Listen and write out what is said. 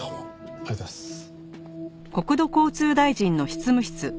ありがとうございます。